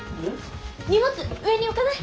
荷物上に置かない？